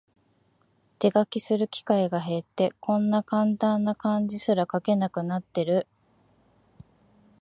手書きする機会が減って、こんなカンタンな漢字すら書けなくなってる